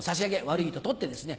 悪いと取ってですね